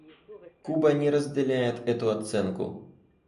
Куба не разделяет эту оценку.